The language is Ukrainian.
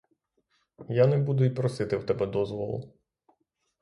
Я не буду й просити в тебе дозволу.